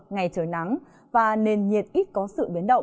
ngày trời nắng và nền nhiệt ít có sự biến động